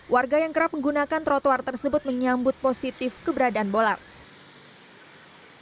warga yang kerap menggunakan trotoar tersebut menyambut positif keberadaan bolak